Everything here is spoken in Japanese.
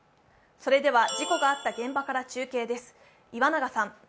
それでは事故があった現場から中継です。